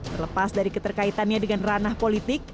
terlepas dari keterkaitannya dengan ranah politik